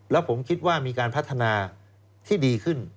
แล้วผมคิดว่ามีการพัฒนาที่ดีขึ้น